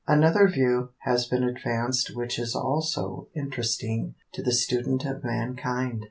Another view has been advanced which is also interesting to the student of mankind.